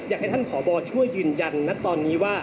อยากให้ท่านผอบอช่วยยืนยันนะตอนนี้ว่า